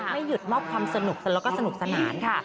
ไม่หยุดมอบความสนุกแล้วก็สนุกสนานค่ะ